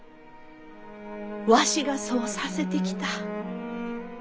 わしがそうさせてきた。